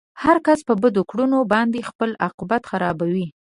هر کس په بدو کړنو باندې خپل عاقبت خرابوي.